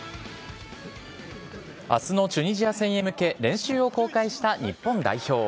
あすのチュニジア戦に向け練習を公開した日本代表。